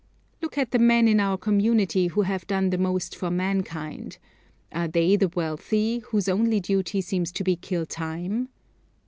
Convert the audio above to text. Look at the men in our own community who have done the most for mankind; are they the wealthy, whose only duty seems to be to kill time?